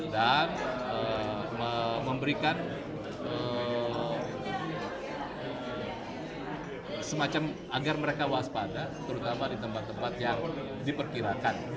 dan memberikan semacam agar mereka waspada terutama di tempat tempat yang diperkirakan